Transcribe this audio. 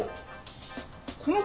この子！